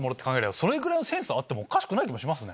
それぐらいのセンサーあってもおかしくない気もしますね。